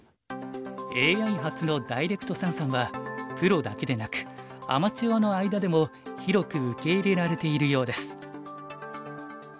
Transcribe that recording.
ＡＩ発のダイレクト三々はプロだけでなくアマチュアの間でも広く受け入れられているようです。